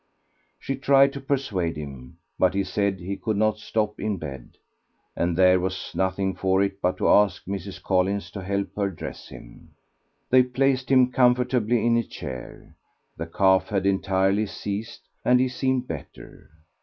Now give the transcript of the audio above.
She tried to persuade him, but he said he could not stop in bed; and there was nothing for it but to ask Mrs. Collins to help her dress him. They placed him comfortably in a chair. The cough had entirely ceased and he seemed better.